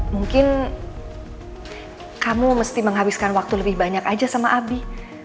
mungkin kamu mesti menghabiskan waktu lebih banyak aja sama abi